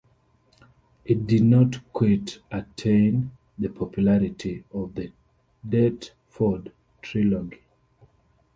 It did not quite attain the popularity of the Deptford Trilogy.